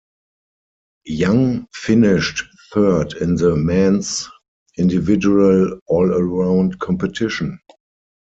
Yang finished third in the men's individual all-around competition.